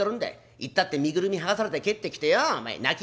行ったって身ぐるみ剥がされて帰ってきてよ泣き